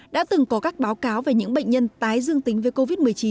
đã từng có các báo cáo về những bệnh nhân tái dương tính với covid một mươi chín